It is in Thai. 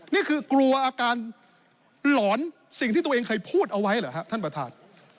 นี่คือกลัวอาการหลอนสิ่งที่ตัวเองเคยพูดเอาไว้เหรอครับท่านประธาน